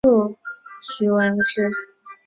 祖父徐文质。